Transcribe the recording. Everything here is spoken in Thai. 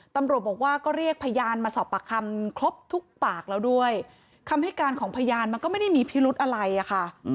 ตำรวจบอกว่าก็เรียกพยานมาสอบปากคำครบทุกปากแล้วด้วยคำให้การของพยานมันก็ไม่ได้มีพิรุธอะไรอะค่ะ